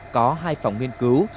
có hai phòng nghiên cứu